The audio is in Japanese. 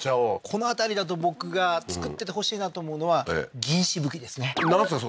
この辺りだと僕が作っててほしいなと思うのは銀沫ですねなんですか？